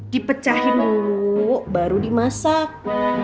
dipecahin dulu baru dimasak